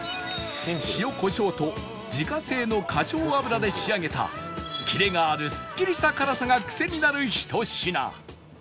塩コショウと自家製の花椒油で仕上げたキレがあるスッキリした辛さがクセになるひと品